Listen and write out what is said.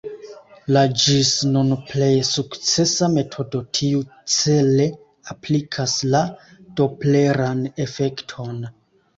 La ĝis nun plej sukcesa metodo tiucele aplikas la dopleran efekton.